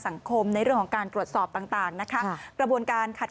สังคมในเรื่องของการตรวจสอบต่างนะคะกระบวนการขัด